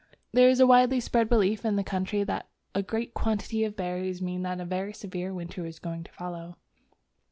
There is a widely spread belief in the country that a great quantity of berries means that a very severe winter is going to follow.